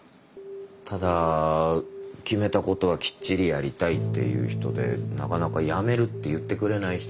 ただ決めた事はきっちりやりたいっていう人でなかなかやめるって言ってくれない人なんで。